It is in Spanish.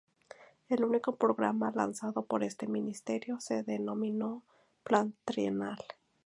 El único programa lanzado por este ministerio se denominó Plan Trienal.